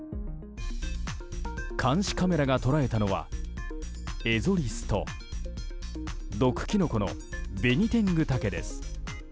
監視カメラが捉えたのはエゾリスと毒キノコのベニテングタケです。